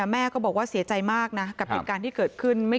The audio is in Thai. แม่ก็บอกว่าเสียใจมากนะกับเหตุการณ์ที่เกิดขึ้น